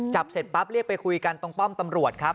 เสร็จปั๊บเรียกไปคุยกันตรงป้อมตำรวจครับ